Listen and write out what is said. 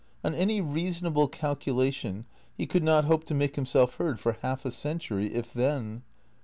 On any reasonable calculation he could not hope to make himself heard for half a century, if then.